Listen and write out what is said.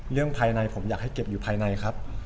ภายในผมอยากให้เก็บอยู่ภายในครับ